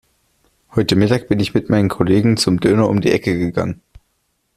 Heute Mittag bin ich mit meinen Kollegen zum Döner um die Ecke gegangen.